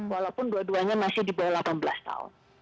walaupun dua duanya masih di bawah delapan belas tahun